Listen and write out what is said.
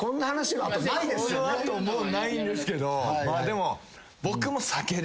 もうないんですけどまあでも。